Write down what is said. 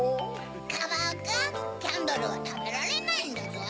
カバオくんキャンドルはたべられないんだゾウ。